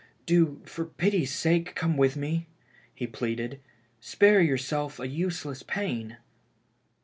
" Do, for pity's sake, come with me," he pleaded. "Spare yourself a useless pain."